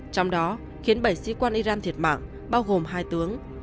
trong đó khiến bảy sĩ quan iran thiệt mạng bao gồm hai tướng